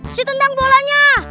si tendang bolanya